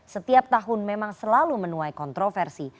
setiap tahun memang selalu menuai kontroversi